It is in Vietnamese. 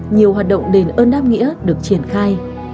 nhiều hoạt động đền ơn đáp nghĩa được triển khai